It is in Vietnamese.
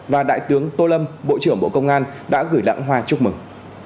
và đại tướng tô lâm bộ trưởng bộ công an đã gửi lãng hoa chúc mừng